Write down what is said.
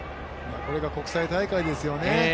これが国際大会ですよね。